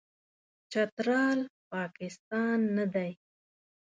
چترال، پاکستان نه دی.